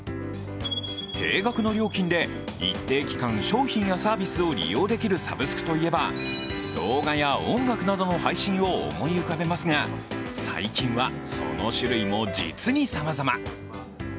定額の料金で一定期間、商品やサービスを利用できるサブスクといえば、動画や音楽などの配信を思い浮かべますが最近はその種類も実にさまざま。